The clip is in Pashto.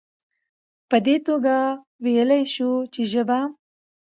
په دي توګه ويلايي شو چې ژبه